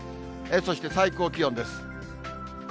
そして最高気温です。